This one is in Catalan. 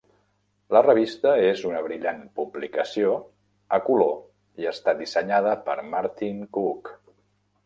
La revista és una brillant publicació a color i està dissenyada per Martin Cook.